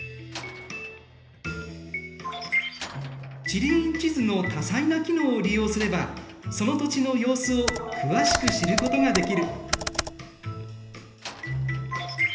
地理院地図の多彩な機能を利用すればその土地の様子を詳しく知ることができる。